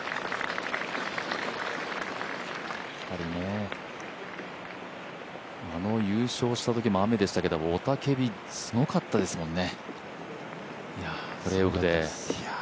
やっぱり、あの優勝したときも雨でしたけど雄たけび、すごかったですもんね。